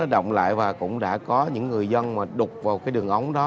động lại và cũng đã có những người dân mà đục vào cái đường ống đó